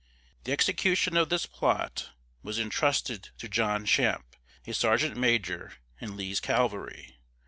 The execution of this plot was intrusted to John Champe, a sergeant major in Lee's cavalry.